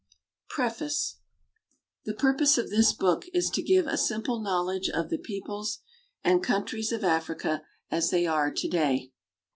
PREFACE >5> The purpose of this book is to give a simple knowledge of the peoples and countries of Africa as they are to day.